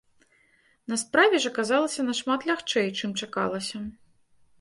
На справе ж аказалася нашмат лягчэй, чым чакалася.